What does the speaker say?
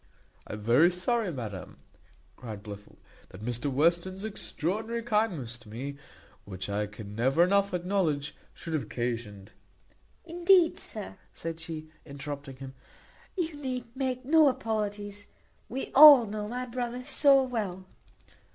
"I am very sorry, madam," cried Blifil, "that Mr Western's extraordinary kindness to me, which I can never enough acknowledge, should have occasioned " "Indeed, sir," said she, interrupting him, "you need make no apologies, we all know my brother so well."